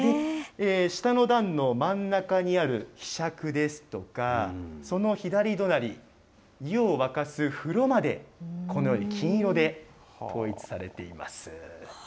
下の段の真ん中にあるひしゃくですとか、その左隣、湯を沸かす風炉までこのように金色で統一されています。